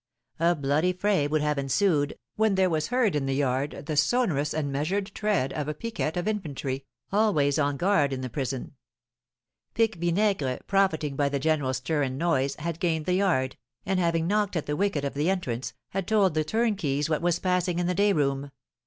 A bloody fray would have ensued, when there was heard in the yard the sonorous and measured tread of a piquet of infantry, always on guard in the prison. Pique Vinaigre, profiting by the general stir and noise, had gained the yard, and, having knocked at the wicket of the entrance, had told the turnkeys what was passing in the day room.